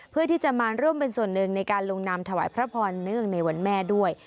เพื่อที่จะมาร่วมเป็นส่วนหนึ่งในการลงนามถวายพระพรเนื่องในวันแม่ด้วย